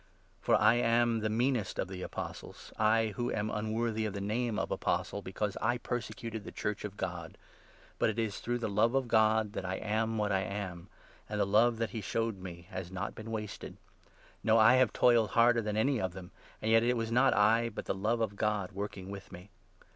For I 9 am the meanest of the Apostles, I who am unworthy of the name of ' Apostle,' because I persecuted the Church of God. But it is through the love of God that I am what I am, and the 10 love that he showed me has not been wasted. No, I have toiled harder than any of them, and yet it was not I, but the love of God working with me.